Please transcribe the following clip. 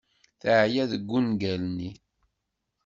Teεya deg ungal-nni.